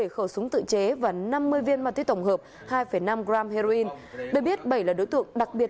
bảy khẩu súng tự chế và năm mươi viên ma túy tổng hợp hai năm gram heroin